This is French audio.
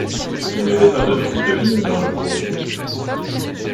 Il n'y avait pas de troupe de ligne dans le bourg.